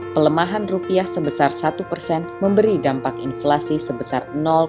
pelemahan rupiah sebesar satu persen memberi dampak inflasi sebesar